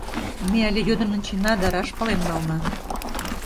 Ме але йодын ончена да раш пален нална.